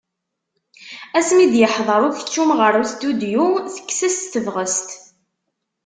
Asmi d-yeḥḍeṛ ukeččum γer ustudyu tekkes-as-tt tebγest.